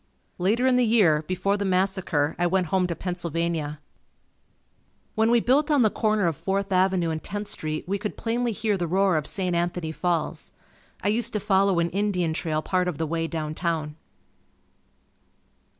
Later in the year, before the massacre, I went home to Pennsylvania. When we built on the corner of Fourth Avenue and Tenth Street, we could plainly hear the roar of St. Anthony Falls. I used to follow an Indian trail part of the way down town.